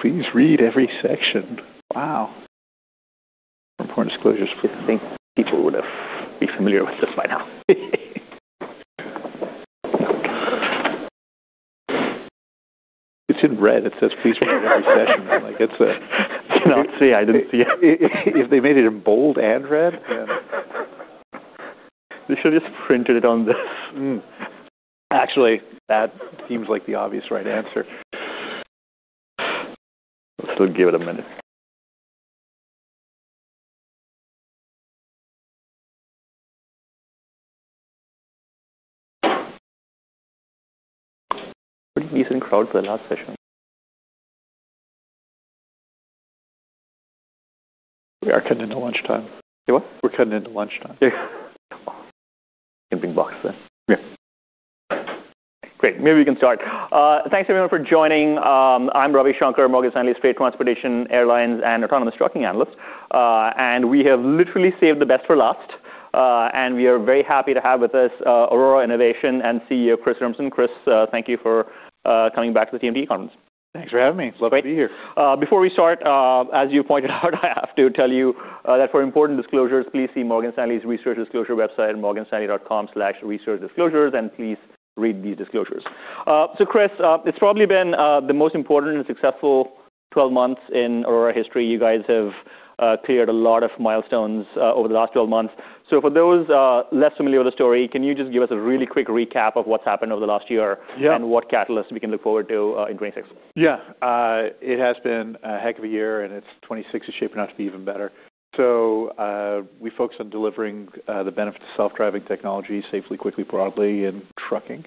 Please read every section. Wow. Report disclosures, please. I think people would have be familiar with this by now. It's in red. It says, "Please read every section." Like, Cannot say I didn't see it. If they made it in bold and red, then... They should have just printed it on this. Mm-hmm. Actually, that seems like the obvious right answer. Let's still give it a minute. Pretty decent crowd for the last session. We are cutting into lunchtime. Say what? We're cutting into lunchtime. Yeah. Getting boxed then. Yeah. Great. Maybe we can start. Thanks everyone for joining. I'm Ravi Shanker, Morgan Stanley's freight transportation, airlines, and autonomous trucking analyst. We have literally saved the best for last. We are very happy to have with us, Aurora Innovation and CEO, Chris Urmson. Chris, thank you for coming back to the TMT conference. Thanks for having me. Great. Love to be here. Before we start, as you pointed out, I have to tell you that for important disclosures, please see Morgan Stanley's research disclosure website, morganstanley.com/researchdisclosures, and please read these disclosures. Chris, it's probably been the most important and successful 12 months in Aurora history. You guys have cleared a lot of milestones over the last 12 months. For those less familiar with the story, can you just give us a really quick recap of what's happened over the last year? Yeah. what catalyst we can look forward to, in 2026? Yeah. It has been a heck of a year, and 2026 is shaping up to be even better. We focus on delivering the benefit of self-driving technology safely, quickly, broadly in trucking.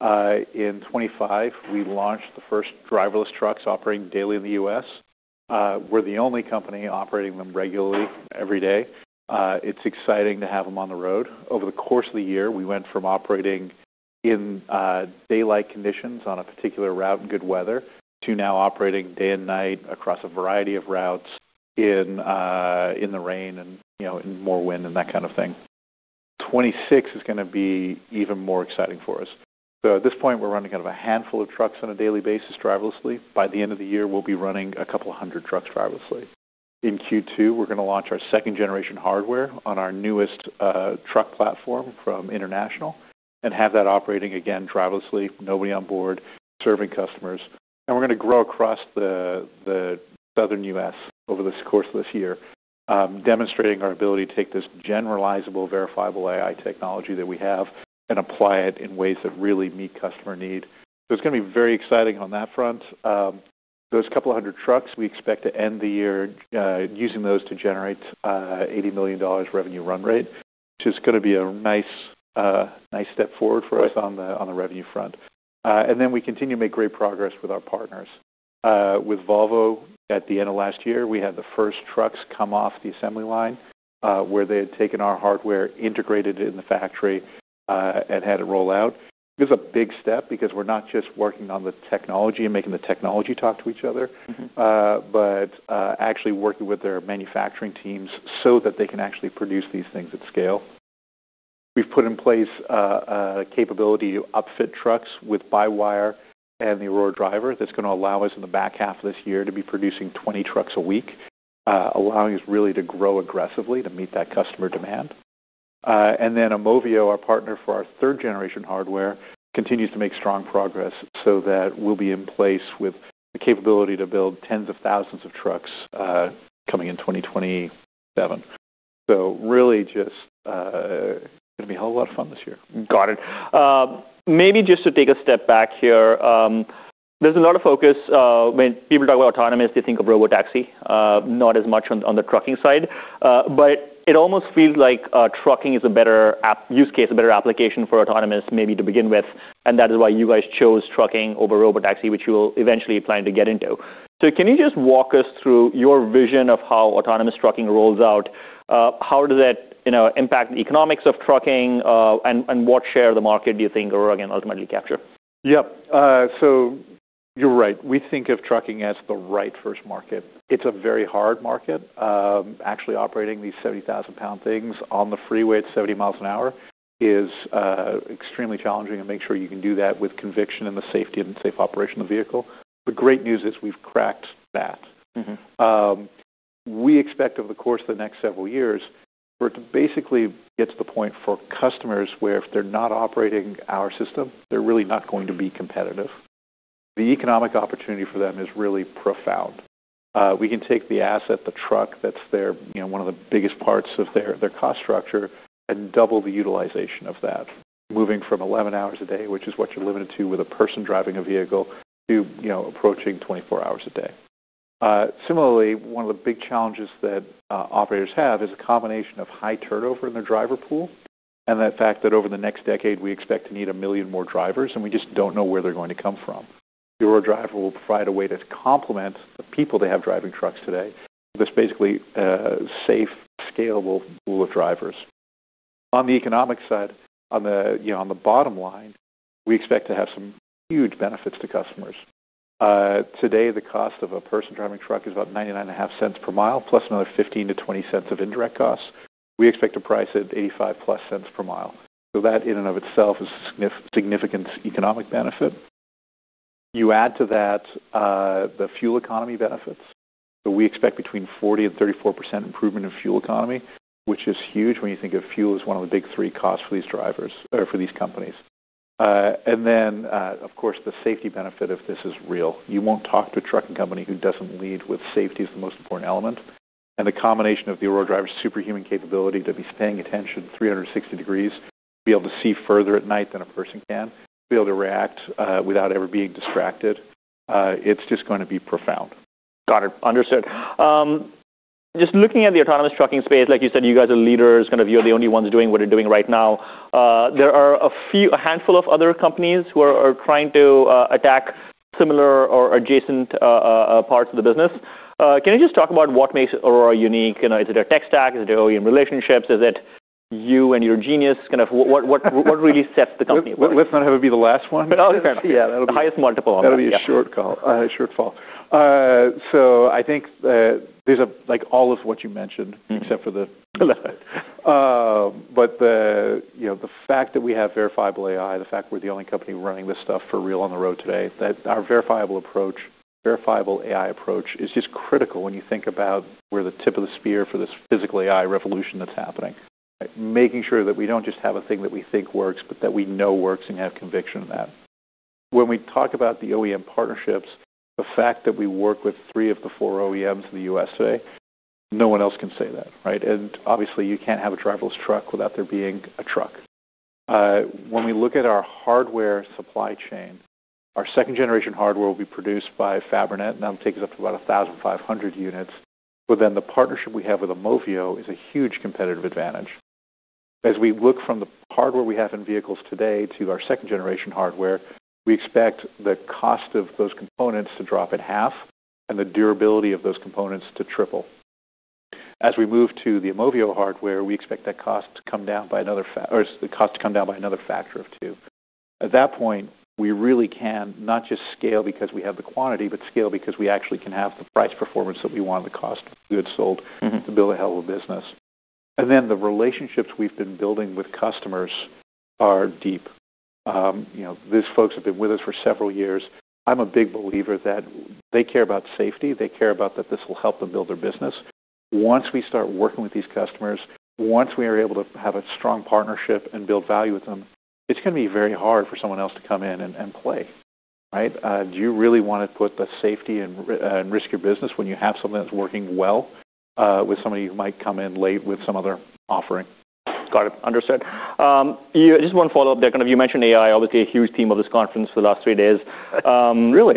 In 2025, we launched the first driverless trucks operating daily in the U.S. We're the only company operating them regularly every day. It's exciting to have them on the road. Over the course of the year, we went from operating in daylight conditions on a particular route in good weather to now operating day and night across a variety of routes in the rain and, you know, in more wind and that kind of thing. 2026 is gonna be even more exciting for us. At this point, we're running kind of a handful of trucks on a daily basis, driverlessly. By the end of the year, we'll be running a couple of hundred trucks driverlessly. In Q2, we're gonna launch our second-generation hardware on our newest truck platform from International and have that operating, again, driverlessly, nobody on board, serving customers. We're gonna grow across the Southern US over this course of this year, demonstrating our ability to take this generalizable, Verifiable AI technology that we have and apply it in ways that really meet customer need. It's gonna be very exciting on that front. Those couple of hundred trucks, we expect to end the year, using those to generate $80 million revenue run rate, which is gonna be a nice nice step forward for us on the revenue front. We continue to make great progress with our partners. With Volvo at the end of last year, we had the first trucks come off the assembly line, where they had taken our hardware integrated in the factory, and had it roll out. It was a big step because we're not just working on the technology and making the technology talk to each other. Actually working with their manufacturing teams so that they can actually produce these things at scale. We've put in place a capability to upfit trucks with by-wire and the Aurora Driver that's gonna allow us in the back half of this year to be producing 20 trucks a week, allowing us really to grow aggressively to meet that customer demand. Imovio, our partner for our third-generation hardware, continues to make strong progress so that we'll be in place with the capability to build tens of thousands of trucks, coming in 2027. Really just gonna be a whole lot of fun this year. Got it. Maybe just to take a step back here, there's a lot of focus, when people talk about autonomous, they think of robotaxi, not as much on the trucking side. It almost feels like trucking is a better use case, a better application for autonomous maybe to begin with, and that is why you guys chose trucking over robotaxi, which you will eventually plan to get into. Can you just walk us through your vision of how autonomous trucking rolls out? How does it, you know, impact the economics of trucking, and what share of the market do you think Aurora can ultimately capture? Yep. You're right. We think of trucking as the right first market. It's a very hard market. Actually operating these 70,000 pound things on the freeway at 70 miles an hour is extremely challenging to make sure you can do that with conviction and the safety and safe operation of the vehicle. The great news is we've cracked that. We expect over the course of the next several years, where it basically gets the point for customers where if they're not operating our system, they're really not going to be competitive. The economic opportunity for them is really profound. We can take the asset, the truck, that's their, you know, one of the biggest parts of their cost structure and double the utilization of that, moving from 11 hours a day, which is what you're limited to with a person driving a vehicle to, you know, approaching 24 hours a day. Similarly, one of the big challenges that operators have is a combination of high turnover in their driver pool and the fact that over the next decade, we expect to need 1 million more drivers, and we just don't know where they're going to come from. The Aurora Driver will provide a way to complement the people that have driving trucks today. This basically a safe, scalable pool of drivers. On the economic side, on the, you know, on the bottom line, we expect to have some huge benefits to customers. Today, the cost of a person driving truck is about $0.995 per mile, plus another $0.15-0.20 of indirect costs. We expect to price at $0.85+ per mile. That in and of itself is a significant economic benefit. You add to that the fuel economy benefits. We expect between 40% and 34% improvement in fuel economy, which is huge when you think of fuel as one of the big three costs for these drivers or for these companies. Of course, the safety benefit of this is real. You won't talk to a trucking company who doesn't lead with safety as the most important element. The combination of the Aurora Driver's superhuman capability to be paying attention 360 degrees, be able to see further at night than a person can, be able to react, without ever being distracted, it's just gonna be profound. Got it. Understood. Just looking at the autonomous trucking space, like you said, you guys are leaders, kind of you're the only ones doing what you're doing right now. There are a handful of other companies who are trying to attack similar or adjacent parts of the business. Can you just talk about what makes Aurora unique? You know, is it a tech stack? Is it OEM relationships? Is it you and your genius? Kind of what really sets the company apart? Let's not have it be the last one. Okay. Yeah. That'll be- The highest multiple. That'll be a short call, shortfall. I think, these are like all of what you mentioned. except for the last. But the, you know, the fact that we have Verifiable AI, the fact we're the only company running this stuff for real on the road today, that our verifiable approach, Verifiable AI approach is just critical when you think about we're the tip of the spear for this Physical AI revolution that's happening, right? Making sure that we don't just have a thing that we think works, but that we know works and have conviction in that. When we talk about the OEM partnerships, the fact that we work with 3 of the 4 OEMs in the USA, no one else can say that, right? Obviously, you can't have a driverless truck without there being a truck. When we look at our hardware supply chain, our second-generation hardware will be produced by Fabrinet, that'll take us up to about 1,500 units. The partnership we have with Imovio is a huge competitive advantage. As we look from the hardware we have in vehicles today to our second-generation hardware, we expect the cost of those components to drop in half and the durability of those components to triple. As we move to the Imovio hardware, we expect that cost to come down by another factor of 2. At that point, we really can not just scale because we have the quantity, but scale because we actually can have the price performance that we want, the cost of goods sold. to build a hell of a business. The relationships we've been building with customers are deep. you know, these folks have been with us for several years. I'm a big believer that they care about safety. They care about that this will help them build their business. Once we start working with these customers, once we are able to have a strong partnership and build value with them, it's gonna be very hard for someone else to come in and play, right? Do you really wanna put the safety and risk your business when you have something that's working well, with somebody who might come in late with some other offering? Got it. Understood. Just one follow-up there. Kind of you mentioned AI, obviously a huge theme of this conference for the last three days. Really?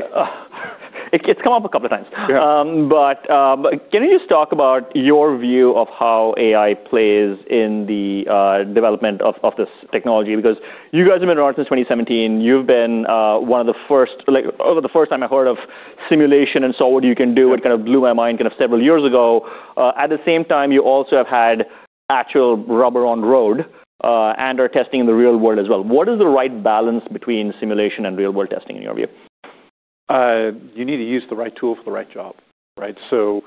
It's come up a couple times. Yeah. Can you just talk about your view of how AI plays in the development of this technology? You guys have been around since 2017. You've been one of the first time I've heard of simulation and saw what you can do. It kind of blew my mind kind of several years ago. At the same time, you also have had actual rubber on road and are testing in the real world as well. What is the right balance between simulation and real-world testing in your view? You need to use the right tool for the right job, right? First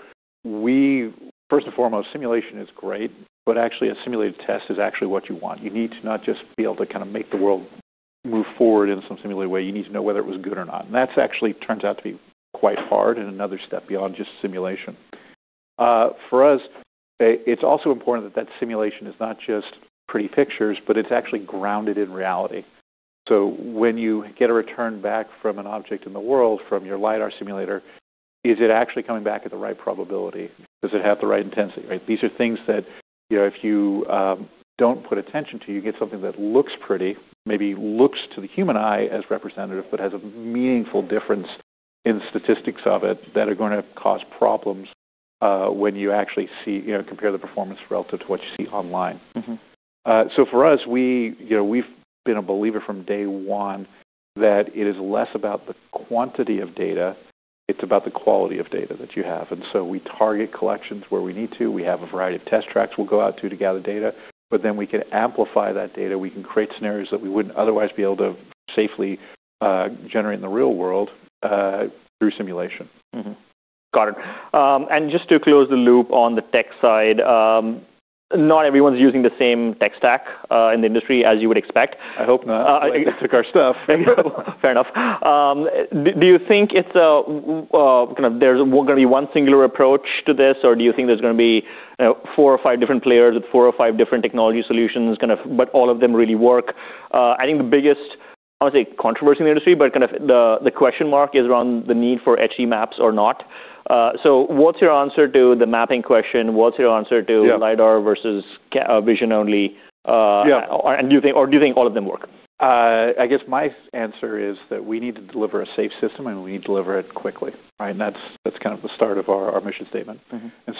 and foremost, simulation is great, but actually a simulated test is actually what you want. You need to not just be able to kinda make the world move forward in some simulated way. You need to know whether it was good or not. That's actually turns out to be quite hard and another step beyond just simulation. For us, it's also important that that simulation is not just pretty pictures, but it's actually grounded in reality. When you get a return back from an object in the world, from your lidar simulator, is it actually coming back at the right probability? Does it have the right intensity, right? These are things that, you know, if you don't put attention to, you get something that looks pretty, maybe looks to the human eye as representative, but has a meaningful difference in statistics of it that are gonna cause problems when you actually see, you know, compare the performance relative to what you see online. For us, we, you know, we've been a believer from day one that it is less about the quantity of data, it's about the quality of data that you have. We target collections where we need to. We have a variety of test tracks we'll go out to to gather data, but then we can amplify that data. We can create scenarios that we wouldn't otherwise be able to safely generate in the real world through simulation. Got it. Just to close the loop on the tech side, not everyone's using the same tech stack, in the industry as you would expect. I hope not. Uh, I think- They took our stuff. Fair enough. Do you think it's kind of there's gonna be one singular approach to this, or do you think there's gonna be four or five different players with four or five different technology solutions kind of but all of them really work? I think the biggest, I don't wanna say controversy in the industry, but kind of the question mark is around the need for HD maps or not. What's your answer to the mapping question? What's your answer to. Yeah. lidar versus vision only? Yeah. Do you think all of them work? I guess my answer is that we need to deliver a safe system, and we need to deliver it quickly, right? That's kind of the start of our mission statement.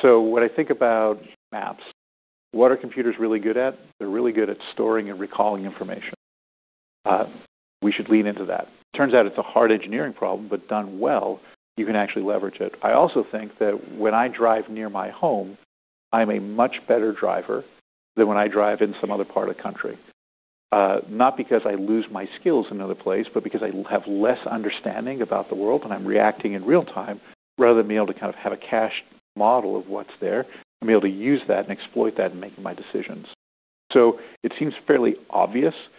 When I think about maps, what are computers really good at? They're really good at storing and recalling information. We should lean into that. Turns out it's a hard engineering problem, but done well, you can actually leverage it. I also think that when I drive near my home, I'm a much better driver than when I drive in some other part of the country. Not because I lose my skills in another place, but because I have less understanding about the world when I'm reacting in real time rather than being able to kind of have a cached model of what's there and be able to use that and exploit that in making my decisions. It seems fairly obvious that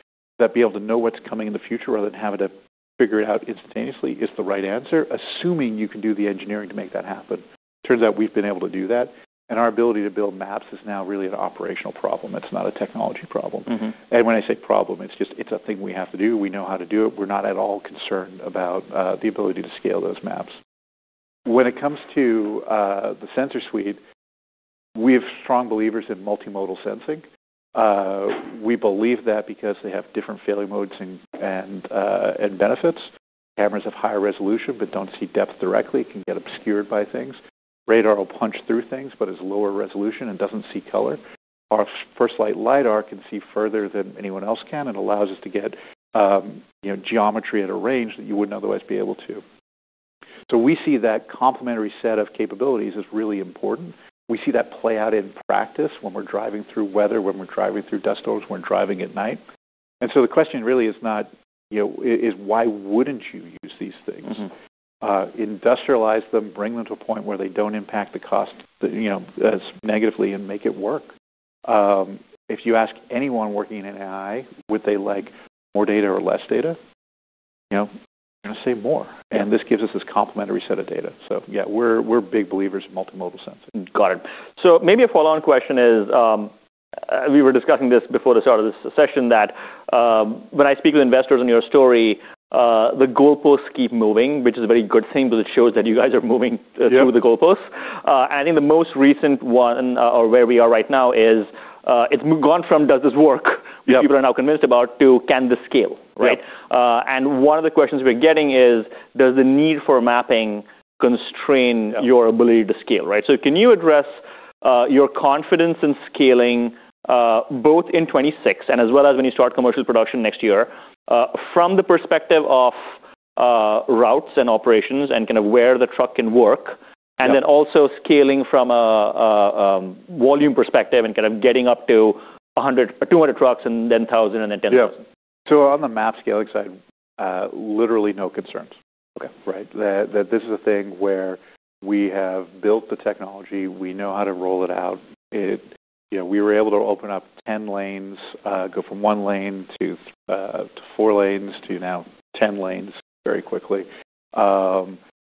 being able to know what's coming in the future rather than having to figure it out instantaneously is the right answer, assuming you can do the engineering to make that happen. Turns out we've been able to do that, and our ability to build maps is now really an operational problem. It's not a technology problem. When I say problem, it's just, it's a thing we have to do. We know how to do it. We're not at all concerned about the ability to scale those maps. When it comes to the sensor suite, we have strong believers in multimodal sensing. We believe that because they have different failure modes and benefits. Cameras have higher resolution but don't see depth directly, can get obscured by things. Radar will punch through things, but is lower resolution and doesn't see color. Our FirstLight lidar can see further than anyone else can and allows us to get, you know, geometry at a range that you wouldn't otherwise be able to. We see that complementary set of capabilities as really important. We see that play out in practice when we're driving through weather, when we're driving through dust storms, when we're driving at night. The question really is not, you know, is why wouldn't you use these things? industrialize them, bring them to a point where they don't impact the cost, you know, as negatively and make it work. If you ask anyone working in AI, would they like more data or less data? You know, they're gonna say more. Right. This gives us this complementary set of data. Yeah, we're big believers in multimodal sensing. Got it. Maybe a follow-on question is, we were discussing this before the start of this session that, when I speak with investors on your story, the goalposts keep moving, which is a very good thing because it shows that you guys are moving-. Yeah. -through the goalposts. In the most recent one, or where we are right now is, it's gone from does this work Yeah. Which people are now convinced about, to can this scale, right? Yeah. One of the questions we're getting is, does the need for mapping constrain- Yeah. your ability to scale, right? Can you address your confidence in scaling both in 2026 and as well as when you start commercial production next year from the perspective of routes and operations and kind of where the truck can work? Yeah. Also scaling from a volume perspective and kind of getting up to 100 or 200 trucks and then 1,000 and then 10,000. Yeah. On the map scaling side, literally no concerns. Okay. Right? This is a thing where we have built the technology, we know how to roll it out. You know, we were able to open up 10 lanes, go from one lane to four lanes to now 10 lanes very quickly.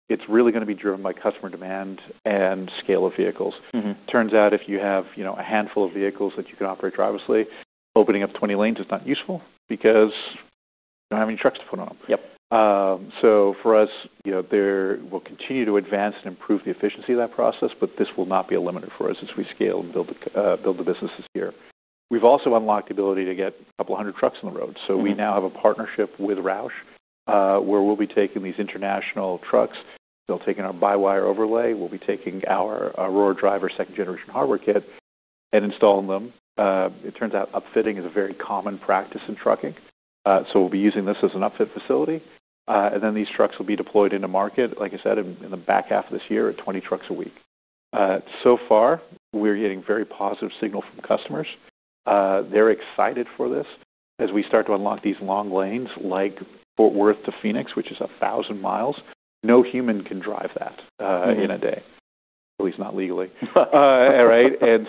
It's really gonna be driven by customer demand and scale of vehicles. Turns out if you have, you know, a handful of vehicles that you can operate driverlessly, opening up 20 lanes is not useful because you don't have any trucks to put on them. Yep. For us, you know, we'll continue to advance and improve the efficiency of that process, but this will not be a limiter for us as we scale and build the businesses here. We've also unlocked the ability to get 200 trucks on the road. We now have a partnership with ROUSH, where we'll be taking these International trucks. They'll take in our by-wire overlay. We'll be taking our Aurora Driver second-generation hardware kit and installing them. It turns out upfitting is a very common practice in trucking, so we'll be using this as an upfit facility. These trucks will be deployed in the market, like I said, in the back half of this year at 20 trucks a week. So far, we're getting very positive signal from customers. They're excited for this. As we start to unlock these long lanes like Fort Worth to Phoenix, which is 1,000 miles, no human can drive that in a day. At least not legally. right? you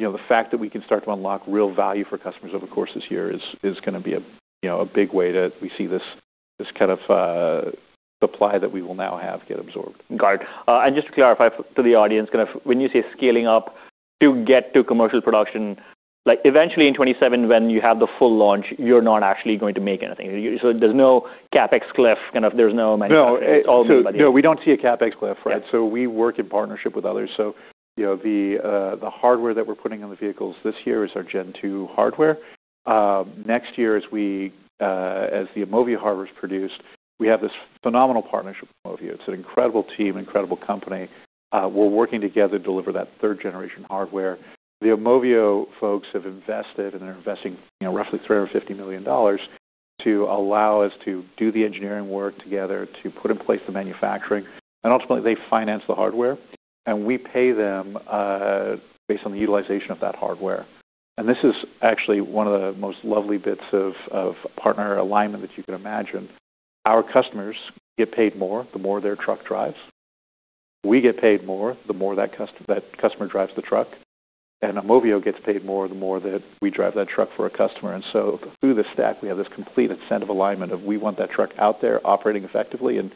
know, the fact that we can start to unlock real value for customers over the course of this year is gonna be a, you know, we see this kind of supply that we will now have get absorbed. Got it. Just to clarify for the audience, kind of when you say scaling up to get to commercial production, like, eventually in 27 when you have the full launch, you're not actually going to make anything. There's no CapEx cliff, kind of there's no. No. all made by you. No, we don't see a CapEx cliff, right? Yeah. We work in partnership with others. You know, the hardware that we're putting on the vehicles this year is our Gen Two hardware. Next year as we as the Imovio hardware is produced, we have this phenomenal partnership with Imovio. It's an incredible team, incredible company. We're working together to deliver that Third-generation hardware. The Imovio folks have invested and are investing, you know, roughly $350 million to allow us to do the engineering work together, to put in place the manufacturing. Ultimately, they finance the hardware, and we pay them based on the utilization of that hardware. This is actually one of the most lovely bits of partner alignment that you can imagine. Our customers get paid more the more their truck drives. We get paid more the more that customer drives the truck. Imovio gets paid more the more that we drive that truck for a customer. Through this stack, we have this complete incentive alignment of we want that truck out there operating effectively and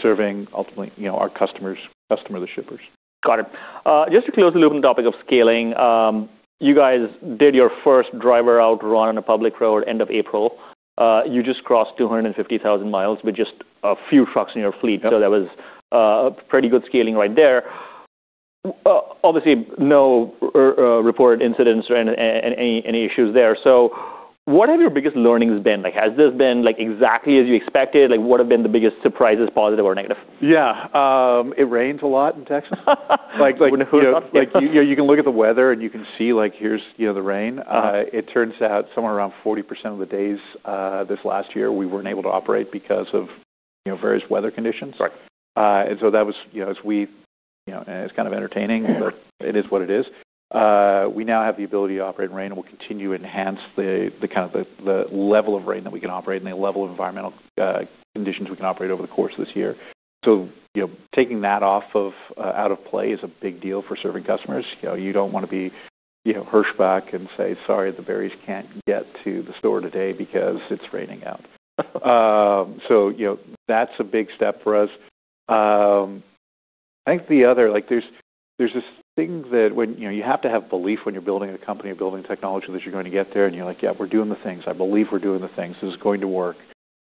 serving ultimately, you know, our customers' customer, the shippers. Got it. Just to close the loop on the topic of scaling, you guys did your first driver out run on a public road end of April. You just crossed 250,000 miles with just a few trucks in your fleet. Yep. That was pretty good scaling right there. Obviously, no reported incidents or any issues there. What have your biggest learnings been? Like, has this been, like, exactly as you expected? Like, what have been the biggest surprises, positive or negative? Yeah. It rains a lot in Texas. Like, you know... Wouldn't have thought that. You know, you can look at the weather, and you can see, like, here's, you know, the rain. It turns out somewhere around 40% of the days, this last year we weren't able to operate because of, you know, various weather conditions. Right. You know, it's kind of entertaining or it is what it is. We now have the ability to operate in rain, and we'll continue to enhance the kind of the level of rain that we can operate and the level of environmental conditions we can operate over the course of this year. You know, taking that off of out of play is a big deal for serving customers. You know, you don't wanna be, you know, Hirschbach and say, "Sorry, the berries can't get to the store today because it's raining out." You know, that's a big step for us. I think like there's this thing that when... You know, you have to have belief when you're building a company or building technology that you're gonna get there, and you're like, "Yeah, we're doing the things. I believe we're doing the things. This is going to work."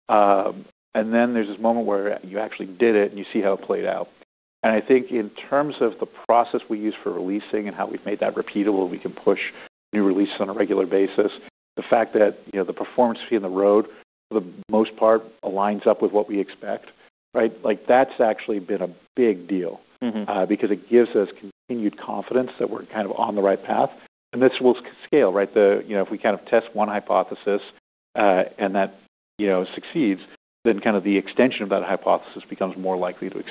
Then there's this moment where you actually did it, and you see how it played out. I think in terms of the process we use for releasing and how we've made that repeatable, we can push new releases on a regular basis. The fact that, you know, the performance fee on the road, for the most part aligns up with what we expect, right? Like, that's actually been a big deal. ... because it gives us continued confidence that we're kind of on the right path, and this will scale, right? The, you know, if we kind of test one hypothesis, and that, you know, succeeds, then kind of the extension of that hypothesis becomes more likely to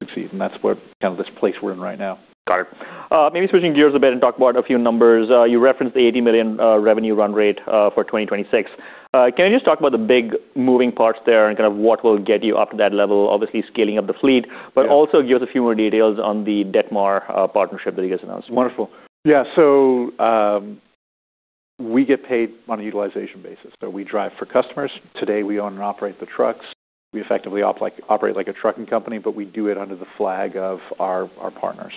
succeed, and that's where kind of this place we're in right now. Got it. Maybe switching gears a bit and talk about a few numbers. You referenced the $80 million revenue run rate for 2026. Can you just talk about the big moving parts there and kind of what will get you up to that level, obviously scaling up the fleet? Yeah... but also give us a few more details on the Detmar partnership that you guys announced. Wonderful. Yeah. We get paid on a utilization basis. We drive for customers. Today, we own and operate the trucks. We effectively operate like a trucking company, but we do it under the flag of our partners.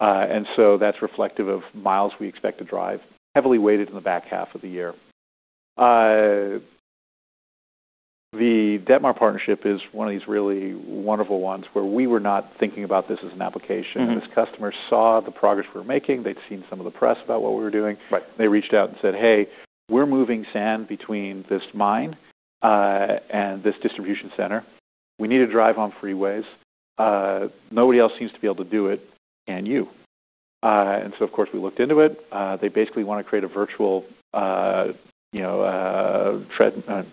That's reflective of miles we expect to drive, heavily weighted in the back half of the year. The Detmar partnership is one of these really wonderful ones where we were not thinking about this as an application. This customer saw the progress we were making. They'd seen some of the press about what we were doing. Right. They reached out and said, "Hey, we're moving sand between this mine and this distribution center. We need to drive on freeways. Nobody else seems to be able to do it. Can you?" Of course, we looked into it. They basically wanna create a virtual, you know,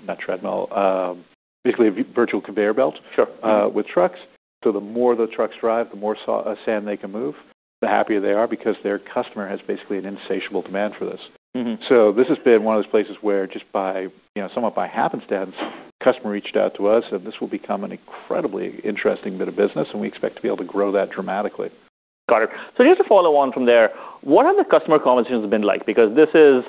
not treadmill, basically a virtual conveyor belt. Sure.... with trucks. The more the trucks drive, the more sand they can move, the happier they are because their customer has basically an insatiable demand for this. This has been one of those places where just by, you know, somewhat by happenstance, customer reached out to us, and this will become an incredibly interesting bit of business, and we expect to be able to grow that dramatically. Got it. Just to follow on from there, what have the customer conversations been like? This is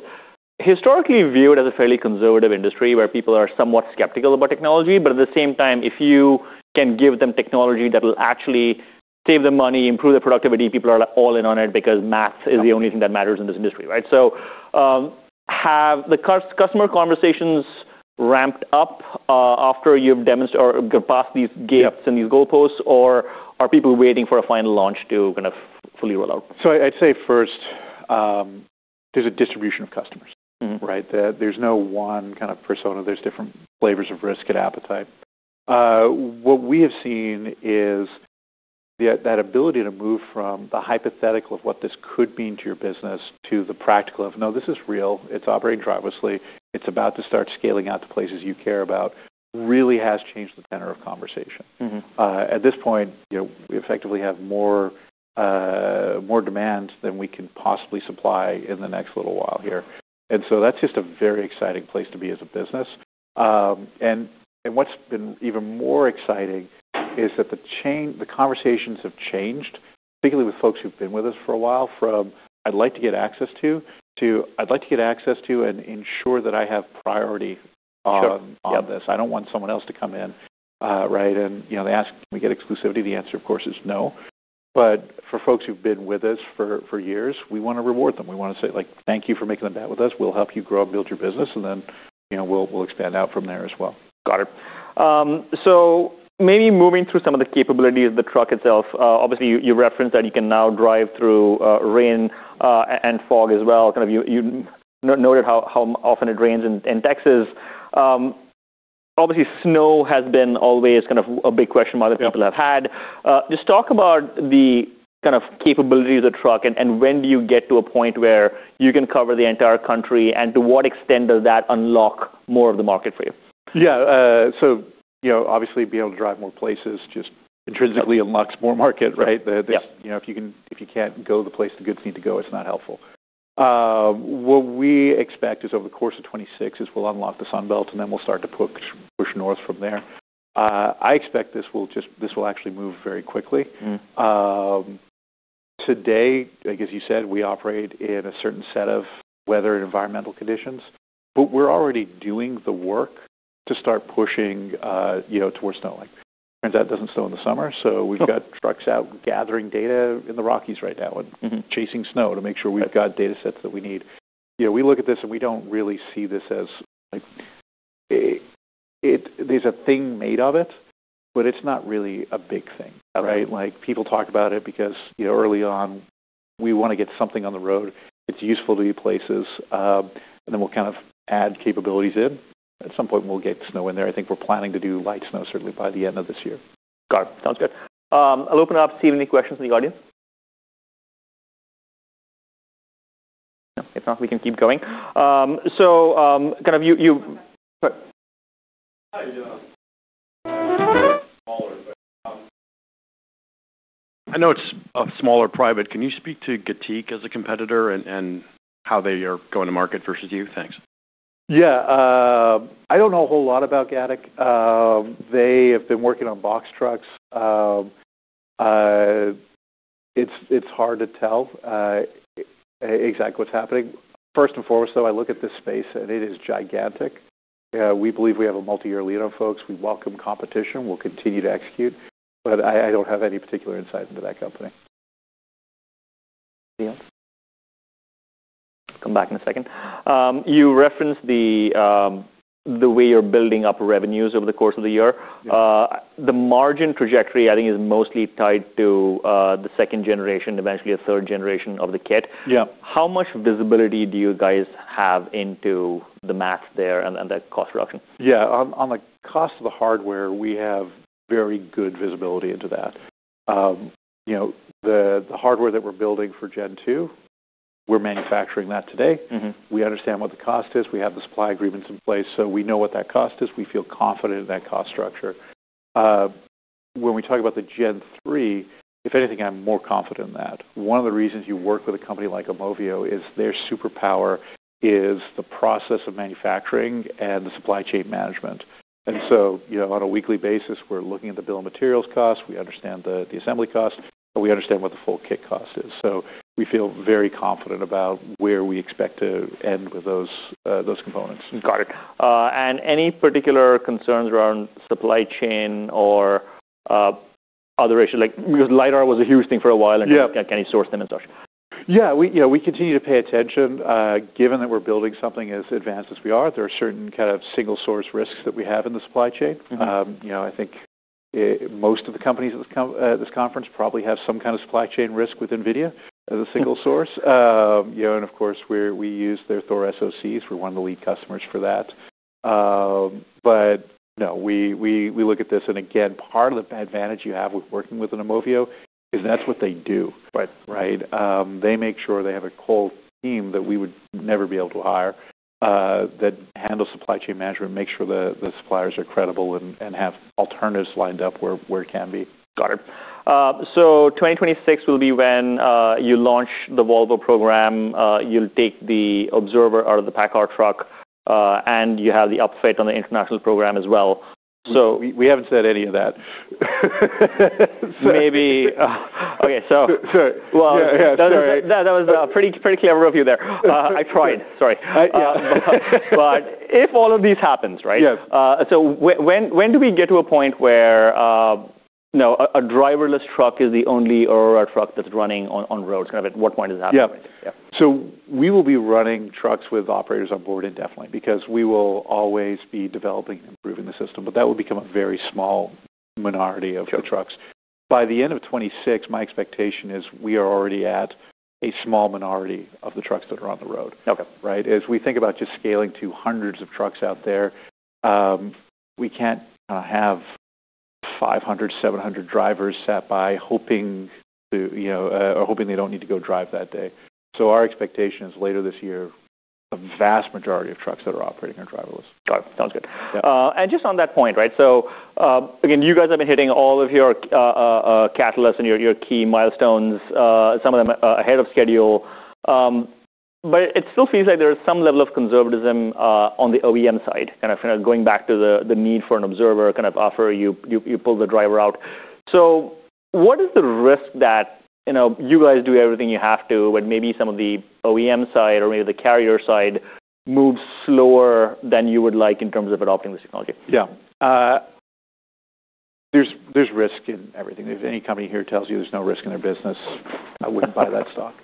historically viewed as a fairly conservative industry where people are somewhat skeptical about technology. At the same time, if you can give them technology that will actually save them money, improve their productivity, people are all in on it because math is the only thing that matters in this industry, right? Have the customer conversations ramped up after you've demonstrated or got past these gates- Yeah These goalposts, or are people waiting for a final launch to kind of fully roll out? I'd say first, there's a distribution of customers. Right? There's no one kind of persona. There's different flavors of risk and appetite. What we have seen is that ability to move from the hypothetical of what this could mean to your business to the practical of, "No, this is real. It's operating driverlessly. It's about to start scaling out to places you care about," really has changed the tenor of conversation. At this point, you know, we effectively have more demand than we can possibly supply in the next little while here. That's just a very exciting place to be as a business. What's been even more exciting is that the conversations have changed, particularly with folks who've been with us for a while, from, "I'd like to get access to," to, "I'd like to get access to and ensure that I have priority on this. I don't want someone else to come in." Right? You know, they ask, "Can we get exclusivity?" The answer, of course, is no. For folks who've been with us for years, we wanna reward them. We wanna say like, "Thank you for making the bet with us. We'll help you grow and build your business, and then, you know, we'll expand out from there as well. Got it. Maybe moving through some of the capability of the truck itself. Obviously, you referenced that you can now drive through rain and fog as well. Kind of, you noted how often it rains in Texas. Obviously, snow has been always kind of a big question a lot of people have had. Just talk about the kind of capability of the truck and when do you get to a point where you can cover the entire country, and to what extent does that unlock more of the market for you? Yeah. you know, obviously, being able to drive more places just intrinsically unlocks more market, right? Yeah. You know, if you can't go the place the goods need to go, it's not helpful. What we expect is over the course of 2026 is we'll unlock the Sun Belt, we'll start to push north from there. I expect this will actually move very quickly. Today, like as you said, we operate in a certain set of weather and environmental conditions, but we're already doing the work to start pushing, you know, towards snow. Turns out it doesn't snow in the summer, so we've got trucks out gathering data in the Rockies right now.... chasing snow to make sure we've got datasets that we need. You know, we look at this, we don't really see this as like, there's a thing made of it. It's not really a big thing. Okay. Right? Like, people talk about it because, you know, early on, we wanna get something on the road that's useful to you places, and then we'll kind of add capabilities in. At some point, we'll get snow in there. I think we're planning to do light snow certainly by the end of this year. Got it. Sounds good. I'll open it up, see if any questions in the audience. No, if not, we can keep going. kind of you. Hi. Yeah. I know it's smaller private. Can you speak to Gatik as a competitor and how they are going to market versus you? Thanks. I don't know a whole lot about Gatik. They have been working on box trucks. It's, it's hard to tell exactly what's happening. First and foremost, though, I look at this space, and it is gigantic. We believe we have a multi-year lead on folks. We welcome competition. We'll continue to execute. I don't have any particular insight into that company. Anything else? Come back in a second. You referenced the way you're building up revenues over the course of the year. Yeah. The margin trajectory, I think, is mostly tied to, the second-generation, eventually a third-generation of the kit. Yeah. How much visibility do you guys have into the max there and the cost reduction? Yeah. On the cost of the hardware, we have very good visibility into that. You know, the hardware that we're building for gen two, we're manufacturing that today. We understand what the cost is. We have the supply agreements in place, so we know what that cost is. We feel confident in that cost structure. When we talk about the gen three, if anything, I'm more confident in that. One of the reasons you work with a company like Imovio is their superpower is the process of manufacturing and the supply chain management. You know, on a weekly basis, we're looking at the bill of materials cost, we understand the assembly cost, and we understand what the full kit cost is. We feel very confident about where we expect to end with those components. Got it. Any particular concerns around supply chain or other issues? Like, because lidar was a huge thing for a while. Yeah Can you source them and such? Yeah. We, you know, we continue to pay attention. Given that we're building something as advanced as we are, there are certain kind of single source risks that we have in the supply chain. You know, I think, most of the companies at this conference probably have some kind of supply chain risk with NVIDIA as a single source. You know, of course, we use their DRIVE Thor SoC. We're one of the lead customers for that. No, we look at this, and again, part of the advantage you have with working with an Imovio is that's what they do. Right. Right? They make sure they have a whole team that we would never be able to hire, that handles supply chain management, make sure the suppliers are credible and have alternatives lined up where it can be. Got it. 2026 will be when you launch the Volvo program. You'll take the observer out of the PACCAR truck, and you have the upfit on the International program as well. We haven't said any of that. Maybe. Okay. Sorry. Yeah, yeah, sorry. That was pretty clever of you there. I tried. Sorry. Yeah. If all of these happens, right? Yes. When do we get to a point where, you know, a driverless truck is the only Aurora truck that's running on roads? Kind of at what point does that happen? Yeah. Yeah. We will be running trucks with operators on board indefinitely because we will always be developing and improving the system. That will become a very small minority of- Okay. the trucks. By the end of 2026, my expectation is we are already at a small minority of the trucks that are on the road. Okay. Right? As we think about just scaling to hundreds of trucks out there, we can't have 500, 700 drivers sat by hoping to, you know, or hoping they don't need to go drive that day. Our expectation is later this year, a vast majority of trucks that are operating are driverless. Got it. Sounds good. Yeah. Just on that point, right? Again, you guys have been hitting all of your catalysts and your key milestones, some of them ahead of schedule. It still feels like there is some level of conservatism on the OEM side, kind of going back to the need for an observer kind of offer you pull the driver out. What is the risk that, you know, you guys do everything you have to, but maybe some of the OEM side or maybe the carrier side moves slower than you would like in terms of adopting this technology? Yeah. There's risk in everything. If any company here tells you there's no risk in their business, I wouldn't buy that stock.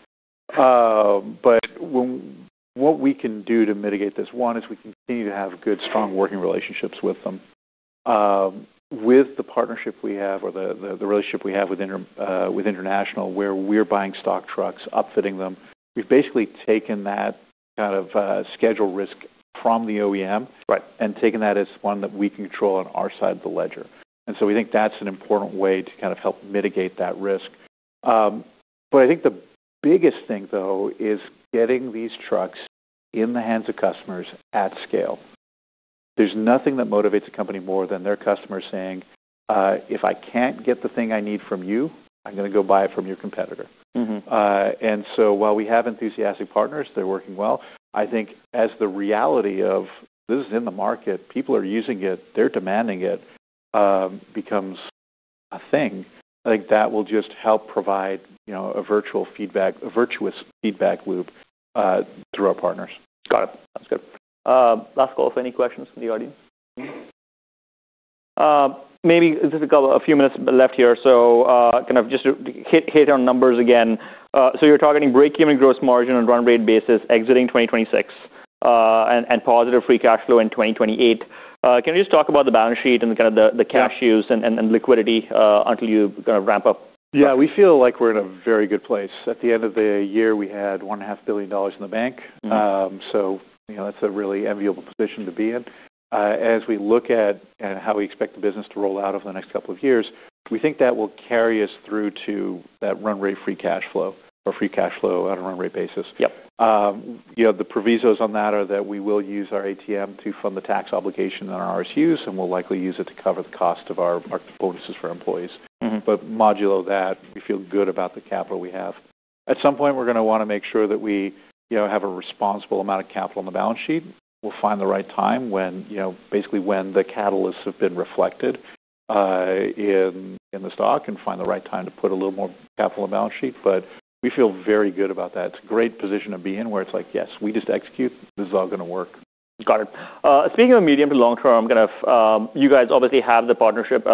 What we can do to mitigate this, one, is we continue to have good, strong working relationships with them. With the partnership we have or the relationship we have with International, where we're buying stock trucks, upfitting them, we've basically taken that kind of schedule risk from the OEM. Right Taken that as one that we can control on our side of the ledger. We think that's an important way to kind of help mitigate that risk. I think the biggest thing, though, is getting these trucks in the hands of customers at scale. There's nothing that motivates a company more than their customers saying, "If I can't get the thing I need from you, I'm gonna go buy it from your competitor. While we have enthusiastic partners, they're working well, I think as the reality of this is in the market, people are using it, they're demanding it, becomes a thing, I think that will just help provide, you know, a virtuous feedback loop through our partners. Got it. Sounds good. Last call for any questions from the audience. Maybe just a couple, a few minutes left here. Kind of just to hit on numbers again. You're targeting breakeven gross margin on run rate basis exiting 2026, and positive free cash flow in 2028. Can you just talk about the balance sheet and kind of the cash- Yeah -use and liquidity, until you kinda wrap up? Yeah. We feel like we're in a very good place. At the end of the year, we had $1 and a half billion in the bank. You know, that's a really enviable position to be in. As we look at and how we expect the business to roll out over the next couple of years, we think that will carry us through to that run rate free cash flow or free cash flow on a run rate basis. Yep. You know, the provisos on that are that we will use our ATM to fund the tax obligation on our RSUs, and we'll likely use it to cover the cost of our bonuses for employees. Modulo that, we feel good about the capital we have. At some point, we're gonna wanna make sure that we, you know, have a responsible amount of capital on the balance sheet. We'll find the right time when, you know, basically when the catalysts have been reflected in the stock and find the right time to put a little more capital on the balance sheet. We feel very good about that. It's a great position to be in, where it's like, "Yes, we just execute. This is all gonna work. Got it. Speaking of medium to long term, kind of, you guys obviously have the partnership.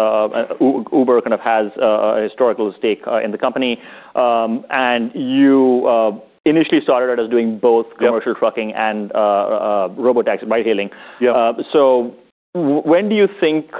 Uber kind of has a historical stake in the company. You initially started out as doing both- Yep... commercial trucking and robotaxis, ride-hailing. Yeah. When do you think?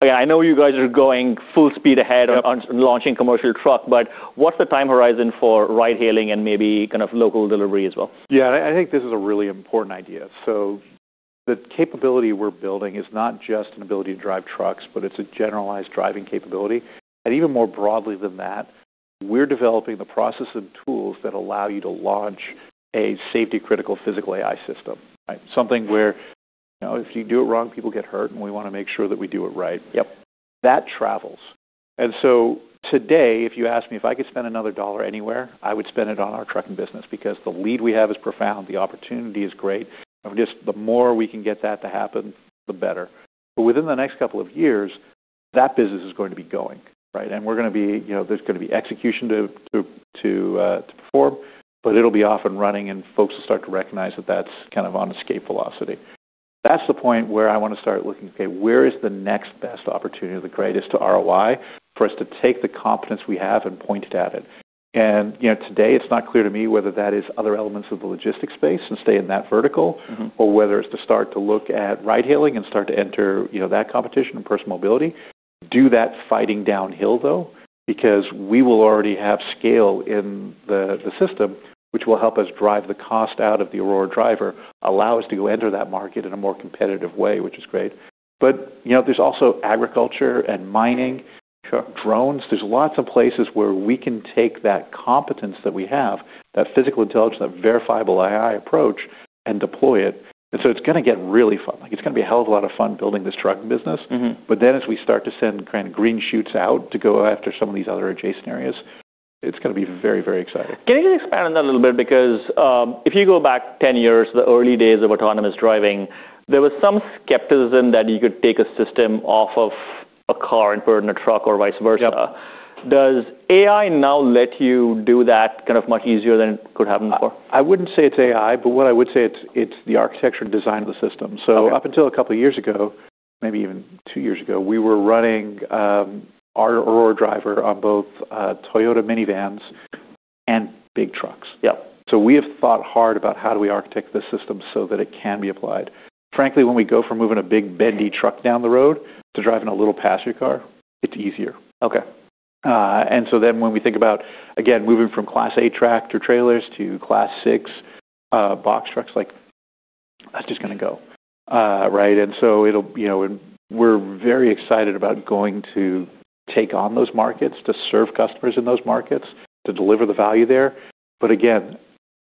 I know you guys are going full speed ahead. Yep... on launching commercial truck, but what's the time horizon for ride-hailing and maybe kind of local delivery as well? Yeah, I think this is a really important idea. The capability we're building is not just an ability to drive trucks, but it's a generalized driving capability. Even more broadly than that, we're developing the process and tools that allow you to launch a safety-critical Physical AI system, right? Something where, you know, if you do it wrong, people get hurt, and we wanna make sure that we do it right. Yep. That travels. Today, if you ask me if I could spend another dollar anywhere, I would spend it on our trucking business because the lead we have is profound. The opportunity is great. Just the more we can get that to happen, the better. Within the next couple of years, that business is going to be going, right? We're gonna be, you know, there's gonna be execution to perform, but it'll be off and running, and folks will start to recognize that that's kind of on escape velocity. That's the point where I wanna start looking, okay, where is the next best opportunity or the greatest to ROI for us to take the competence we have and point it at it. you know, today, it's not clear to me whether that is other elements of the logistics space and stay in that vertical-.... or whether it's to start to look at ride-hailing and start to enter, you know, that competition and personal mobility. Do that fighting downhill, though, because we will already have scale in the system, which will help us drive the cost out of the Aurora Driver, allow us to enter that market in a more competitive way, which is great. You know, there's also agriculture and mining, truck drones. There's lots of places where we can take that competence that we have, that physical intelligence, that Verifiable AI approach, and deploy it. It's gonna get really fun. Like, it's gonna be a hell of a lot of fun building this truck business. As we start to send kind of green shoots out to go after some of these other adjacent areas, it's going to be very, very exciting. Can you just expand on that a little bit? If you go back 10 years, the early days of autonomous driving, there was some skepticism that you could take a system off of a car and put it in a truck or vice versa. Yep. Does AI now let you do that kind of much easier than it could have before? I wouldn't say it's AI, but what I would say it's the architecture and design of the system. Okay. Up until a couple years ago, maybe even 2 years ago, we were running our Aurora Driver on both Toyota minivans and big trucks. Yep. We have thought hard about how do we architect this system so that it can be applied. Frankly, when we go from moving a big bendy truck down the road to driving a little passenger car, it's easier. Okay. When we think about, again, moving from Class 8 tractor-trailers to Class 6 box trucks, like, that's just gonna go. Right? It'll, you know, we're very excited about going to take on those markets, to serve customers in those markets, to deliver the value there.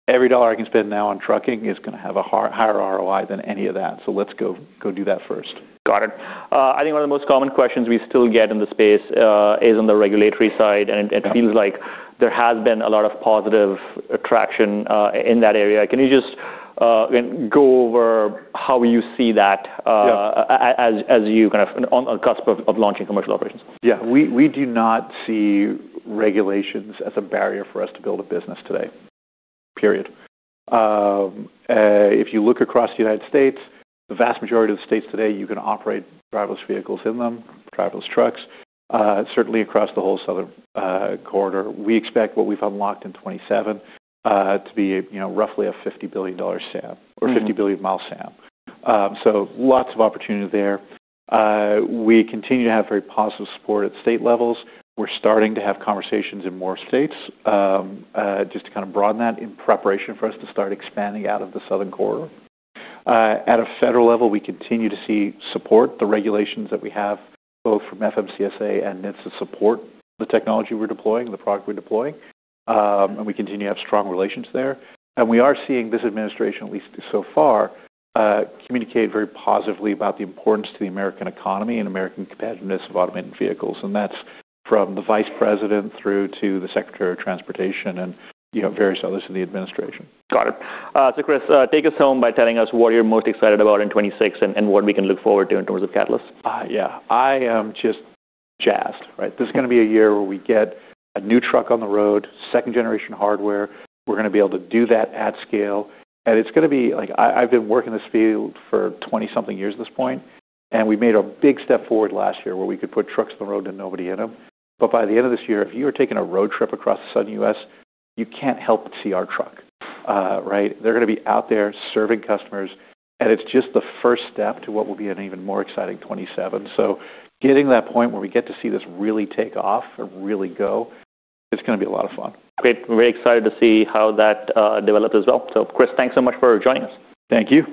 Every dollar I can spend now on trucking is gonna have a higher ROI than any of that. Let's go do that first. Got it. I think one of the most common questions we still get in the space, is on the regulatory side. Yeah. It feels like there has been a lot of positive traction in that area. Can you just go over how you see that? Yeah... as you kind of on cusp of launching commercial operations? Yeah. We do not see regulations as a barrier for us to build a business today, period. If you look across the United States, the vast majority of the states today, you can operate driverless vehicles in them, driverless trucks, certainly across the whole southern corridor. We expect what we've unlocked in 2027 to be, you know, roughly a $50 billion SAM or 50 billion mile SAM. Lots of opportunity there. We continue to have very positive support at state levels. We're starting to have conversations in more states, just to kind of broaden that in preparation for us to start expanding out of the southern corridor. At a federal level, we continue to see support. The regulations that we have both from FMCSA and NHTSA support the technology we're deploying, the product we're deploying. We continue to have strong relations there. We are seeing this administration, at least so far, communicate very positively about the importance to the American economy and American competitiveness of automated vehicles, and that's from the vice president through to the secretary of transportation and, you know, various others in the administration. Got it. Chris, take us home by telling us what you're most excited about in 2026 and what we can look forward to in terms of catalysts? Yeah. I am just jazzed, right? This is gonna be a year where we get a new truck on the road, second-generation hardware. We're gonna be able to do that at scale. It's gonna be like I've been working this field for twenty-something years at this point, and we made a big step forward last year where we could put trucks on the road and nobody in them. By the end of this year, if you are taking a road trip across the Southern U.S., you can't help but see our truck. Right? They're gonna be out there serving customers, and it's just the first step to what will be an even more exciting 2027. Getting to that point where we get to see this really take off and really go, it's gonna be a lot of fun. Great. We're very excited to see how that develops as well. Chris, thanks so much for joining us. Thank you.